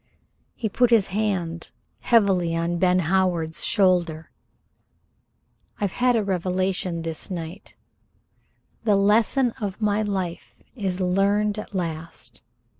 He put his hand heavily on Ben Howard's shoulder. "I've had a revelation this night. The lesson of my life is learned at last.